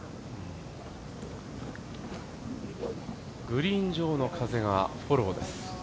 グリーン上の風がフォローです。